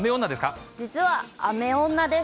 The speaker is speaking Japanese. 実は雨女です。